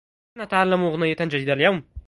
سنتعلم أغنية جديدة اليوم.